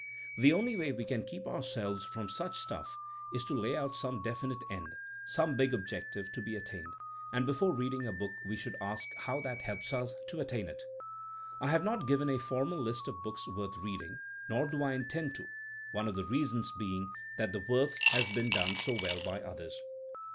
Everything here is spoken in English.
" The only way we can keep ourselves from such stuff is to 234 TMiNKma A8 ▲ BODBNOB lay out some definite end, some big objective, to be attained; and before reading a book we should ask how that helps us to attain it. I have not given a formal list of books worth reading, nor do I intend to; one of the reasons being that the work has been done so well by others.